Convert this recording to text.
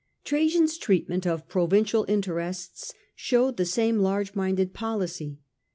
Trajan's treatment of provincial interests showed the same large minded policy.